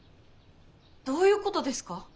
どういうことですか？